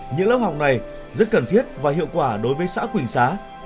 những lớp học này rất cần thiết và hiệu quả đối với xã quỳnh xá